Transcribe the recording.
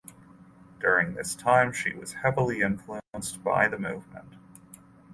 During this time she was heavily influenced by the movement.